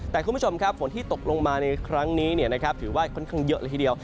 แต่คุณผู้ชมครับฝนที่ตกลงมาในครั้งนี้ถือว่าค่อนข้างเยอะเลยทีเดียว